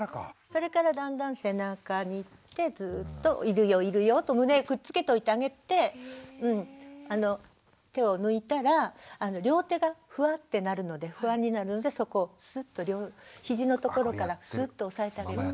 それからだんだん背中にいってずっといるよいるよと胸くっつけといてあげて手を抜いたら両手がフワッてなるので不安になるのでそこを肘のところからすっと押さえてあげる。